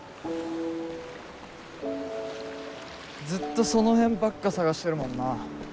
ずっとその辺ばっか探してるもんな。